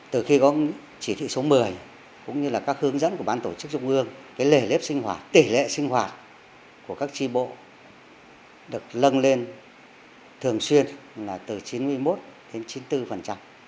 từ khi có chỉ thị số một mươi cũng như là các hướng dẫn của ban tổ chức trung ương cái lễ lếp sinh hoạt tỷ lệ sinh hoạt của các tri bộ được lân lên thường xuyên là từ chín mươi một đến chín mươi bốn